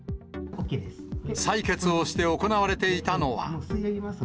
採血をして行われていたのは。